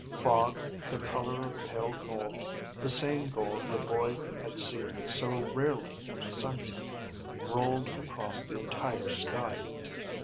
Fog the color of pale gold, the same gold the boy had seen so rarely in the sunset, rolled across the entire sky.